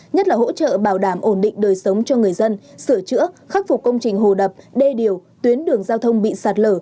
nhất là hỗ trợ bảo đảm ổn định đời sống cho người dân sửa chữa khắc phục công trình hồ đập đê điều tuyến đường giao thông bị sạt lở